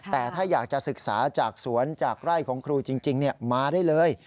แต่ถ้าอยากจะศึกษาจากสวนจากไร่ของครูจริงมาได้เลย